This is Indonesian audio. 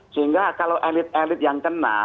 sehingga kalau elit elit yang kena